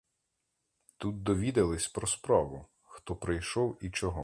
Тут довідались про справу: хто прийшов і чого.